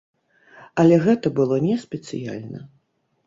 Але гэта было не спецыяльна.